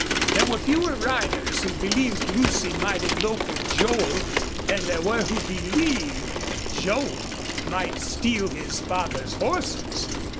There were fewer riders who believed Lucy might elope with Joel than there were who believed Joel might steal his father's horses.